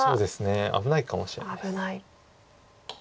危ないかもしれないです。